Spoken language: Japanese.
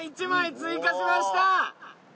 １枚追加しました。